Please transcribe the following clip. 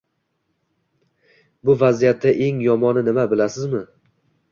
Bu vaziyatda eng yomoni nima bilasizmi?